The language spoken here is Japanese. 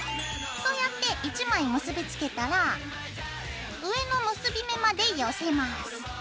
そうやって１枚結びつけたら上の結び目まで寄せます。